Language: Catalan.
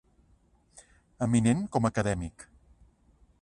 Eminent com a acadèmic.